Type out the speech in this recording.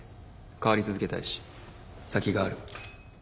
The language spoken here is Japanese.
変わり続けたいし先がある。